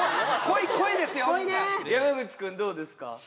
濃いね山口君どうですか？